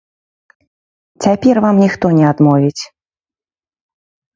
Цяпер вам ніхто не адмовіць.